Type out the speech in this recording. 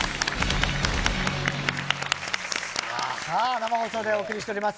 生放送でお送りしています。